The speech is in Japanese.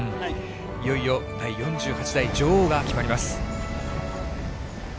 いよいよ第４８代女王が決まります。